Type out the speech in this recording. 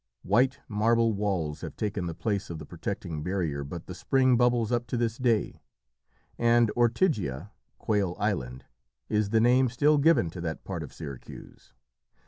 White marble walls have taken the place of the protecting barrier, but the spring bubbles up to this day, and Ortygia (Quail Island) is the name still given to that part of Syracuse.